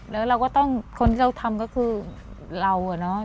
แล้วคนที่เราทำก็คือเรา